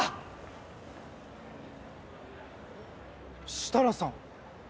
設楽さん。